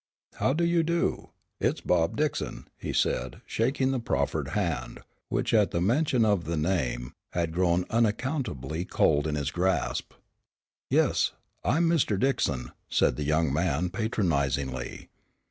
"How do you do? It's Bob Dickson," he said, shaking the proffered hand, which at the mention of the name, had grown unaccountably cold in his grasp. "Yes, I'm Mr. Dickson," said the young man, patronizingly.